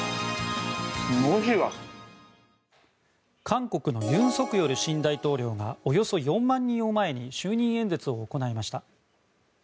韓国の尹錫悦新大統領がおよそ４万人を前に就任演説を行いました。